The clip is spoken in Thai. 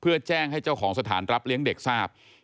เพื่อแจ้งให้เจ้าของสถานรับเลี้ยงเด็กทราบ